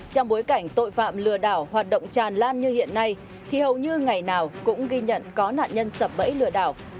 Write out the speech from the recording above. trong bối cảnh tội phạm lừa đảo hoạt động tràn lan như hiện nay thì hầu như ngày nào cũng ghi nhận có nạn nhân sập bẫy lừa đảo